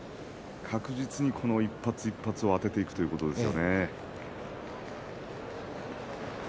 確実に一発一発をあてていくということです。